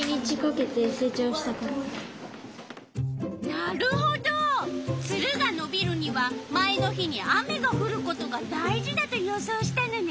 なるほどツルがのびるには前の日に雨がふることが大事だと予想したのね。